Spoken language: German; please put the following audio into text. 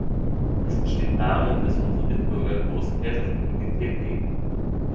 Es besteht darin, dass unsere Mitbürger großen Wert auf Mobilität legen.